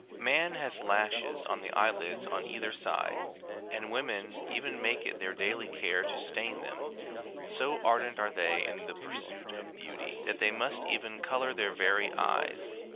Man has lashes on the eye lids on either side ; and women even make it their daily care to stain them ;7 so ardent are they in the pursuit of beauty, that they must even colour their very eyes.